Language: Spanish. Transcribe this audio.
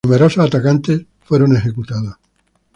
Numerosos atacantes fueron ejecutados.